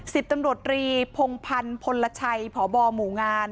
สิทธิ์ตำรวจรีบพงพันธุ์พลลชัยผ่อบ่อหมู่งาน